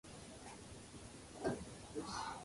Mainstream Rock chart.